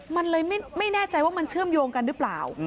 มันเลยไม่แน่ใจว่ามันเชื่อมโยงกันหรือเปล่า